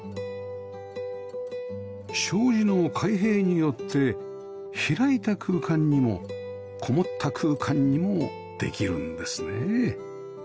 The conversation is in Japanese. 障子の開閉によって開いた空間にも籠もった空間にもできるんですね